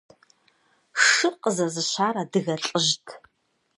Шыр къызэзыщар адыгэ лӀыжьт.